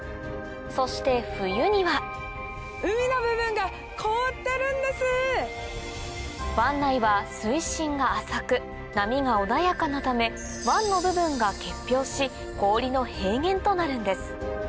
そして冬には湾内は水深が浅く波が穏やかなため湾の部分が結氷し氷の平原となるんです